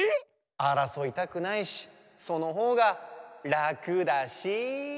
・あらそいたくないしそのほうがらくだし。